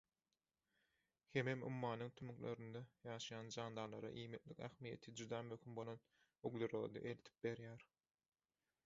hemem ummanyň tümlüklerinde ýaşaýan jandarlara iýmitlik ähmiýeti juda möhüm bolan uglerody eltip berýär.